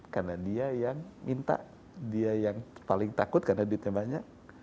karena dia yang minta dia yang paling takut karena duitnya banyak